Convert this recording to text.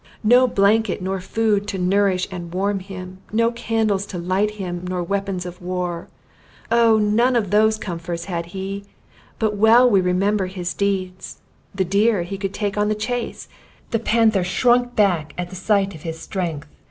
No blanket nor food to nourish and warm him; nor candles to light him, nor weapons of war: Oh, none of those comforts had he! But well we remember his deeds! The deer he could take on the chase! The panther shrunk back at the sight of his strength!